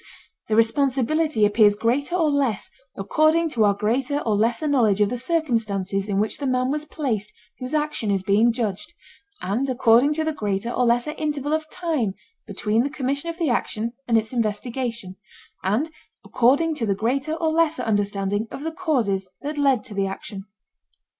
The responsibility appears greater or less according to our greater or lesser knowledge of the circumstances in which the man was placed whose action is being judged, and according to the greater or lesser interval of time between the commission of the action and its investigation, and according to the greater or lesser understanding of the causes that led to the action.